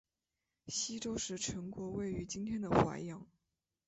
西周时陈国位于今天的淮阳。